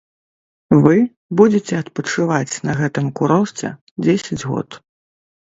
Вы будзеце адпачываць на гэтым курорце дзесяць год.